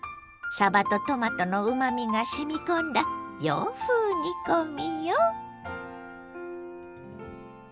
さばとトマトのうまみが染み込んだ洋風煮込みよ。